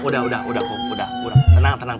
ido loh kum ido yang ngomong udah abah tenang